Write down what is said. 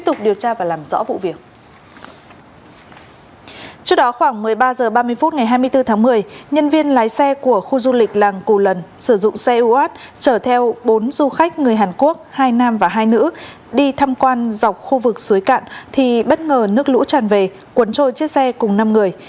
trước đó khoảng một mươi ba h ba mươi phút ngày hai mươi bốn tháng một mươi nhân viên lái xe của khu du lịch làng cù lần sử dụng xe uat chở theo bốn du khách người hàn quốc hai nam và hai nữ đi thăm quan dọc khu vực suối cạn thì bất ngờ nước lũ tràn về cuốn trôi chiếc xe cùng năm người